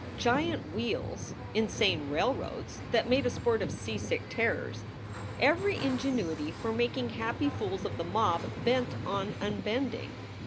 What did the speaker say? Giant wheels, insane railroads that made a sport of seasick terrors, every ingenuity for making happy fools of the mob bent on unbending.